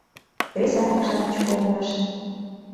Кресаньык-шамыч погынышт.